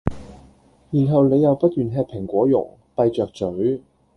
然後你又不願吃蘋果茸，閉著咀